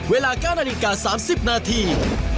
เวลาก้านอนิกาสามสิบนาที